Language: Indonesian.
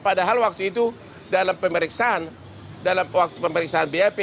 padahal waktu itu dalam pemeriksaan dalam waktu pemeriksaan bap